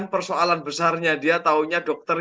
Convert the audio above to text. persoalan besarnya dia tahunya dokter